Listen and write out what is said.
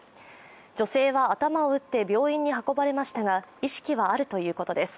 女性は頭を打って病院に運ばれましたが意識はあるということです。